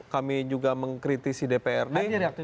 kami juga mengkritisi dprd